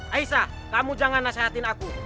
aisyah kamu jangan nasihatin aku